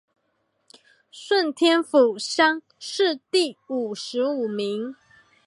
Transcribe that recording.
顺天府乡试第五十五名。